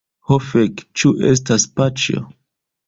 Ho fek, ĉu estas paĉjo?